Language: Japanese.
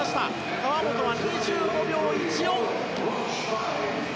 川本は２５秒１４。